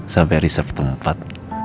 sampai resep tempat